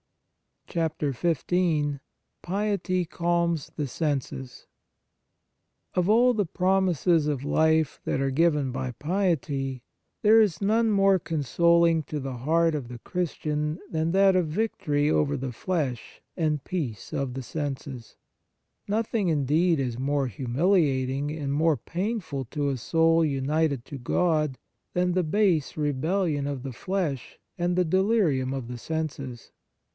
XV PIETY CALMS THE SENSES OF all the promises of life that are given by piety, there is none more consoling to the heart of the Christian than that of victory over the flesh and peace of the senses. The Fruits of Piety Nothing, indeed, is more humiliating and more painful to a soul united to God than the base rebellion of the flesh and the delirium of the senses.